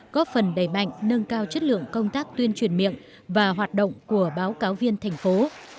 góp phần đầy mạnh nâng cao chất lượng công tác tuyên truyền miệng và hoạt động của báo cáo viên thành phố